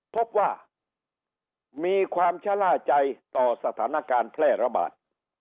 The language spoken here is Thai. พบว่ามีความชะล่าใจต่อสถานการณ์แพร่ระบาด